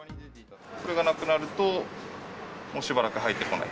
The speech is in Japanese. これがなくなると、もうしばらく入ってこない。